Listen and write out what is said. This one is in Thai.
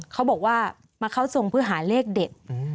เขาบอกว่ามาเข้าทรงเพื่อหาเลขเด็ด